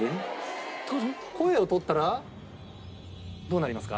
声を取ったらどうなりますか？